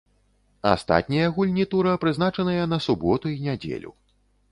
Астатнія гульні тура прызначаныя на суботу і нядзелю.